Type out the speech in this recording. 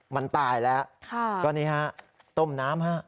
มันตายแล้วก็นี่ฮะต้มน้ำฮะ